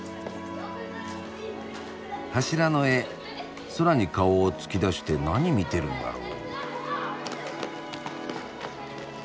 柱の絵空に顔を突き出して何見てるんだろう？